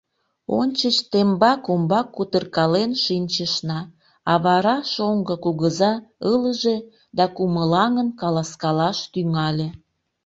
Ончыч тембак-умбак кутыркален шинчышна, а вара шоҥго кугыза ылыже да кумылаҥын каласкалаш тӱҥале.